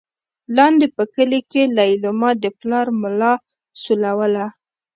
لاندې په کلي کې لېلما د پلار ملا سولوله.